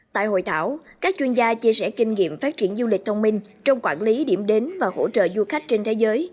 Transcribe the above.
tại hội thảo các chuyên gia chia sẻ kinh nghiệm phát triển du lịch thông minh trong quản lý điểm đến và hỗ trợ du khách trên thế giới